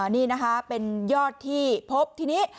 นี่นะคะเป็นยอดที่พบทีนี้